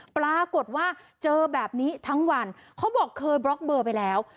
ปรากฏว่าเจอแบบนี้ทั้งวันเขาบอกเคยบล็อกเบอร์ไปแล้ว